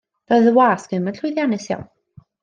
Doedd y wasg ddim yn llwyddiannus iawn.